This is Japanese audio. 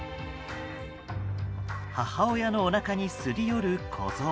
母親のおなかにすり寄る子ゾウ。